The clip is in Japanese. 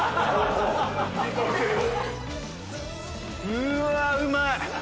うわうまい！